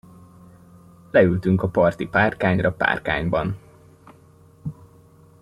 Leültünk a parti párkányra Párkányban.